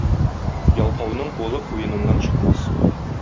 Ялкауның кулы куеныннан чыкмас.